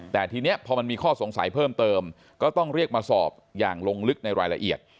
แต่ทีนี้พอมันมีข้อสงสัยเพิ่มเติมก็ต้องเรียกมาสอบอย่างลงลึกในรายละเอียด